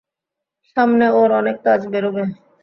সামনে ওর অনেক কাজ বেরোবে।